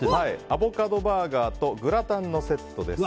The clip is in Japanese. アボカドバーガーとグラタンのセットです。